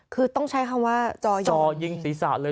คือต้องใช้คำว่าจ่อยิงศีรษะเลย